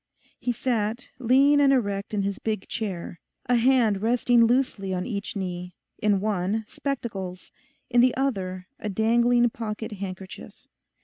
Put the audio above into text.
He sat, lean and erect in his big chair, a hand resting loosely on each knee, in one spectacles, in the other a dangling pocket handkerchief.